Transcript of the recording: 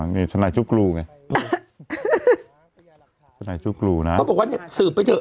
นี่สนัยชุดกรูไงสนัยชุดกรูน่ะเขาบอกว่าเนี้ยสืบไปเจอ